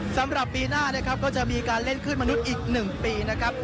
สำหรับปีหน้านะครับก็จะมีการเล่นขึ้นมนุษย์อีก๑ปีนะครับ